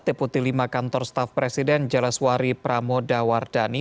deputi lima kantor staff presiden jaleswari pramodawardani